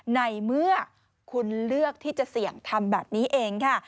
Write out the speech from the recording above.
ในเมื่อคุณเลือกที่จะเสี่ยงทำแบบนี้เองค่ะ